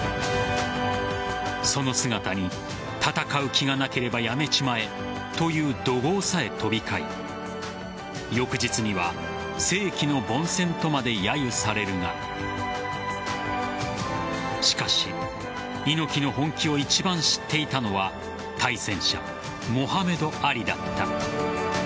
その姿に戦う気がなければやめちまえという怒号さえ飛び交い翌日には世紀の凡戦とまでやゆされるがしかし猪木の本気を一番知っていたのは対戦者、モハメド・アリだった。